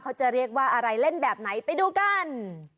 เขาจะเรียกว่าอะไรเล่นแบบไหนไปดูกัน